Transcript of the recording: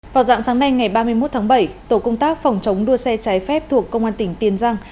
vào dạng sáng nay ngày ba mươi một tháng bảy tổ công tác phòng chống đua xe trái phép thuộc công an tỉnh tiền giang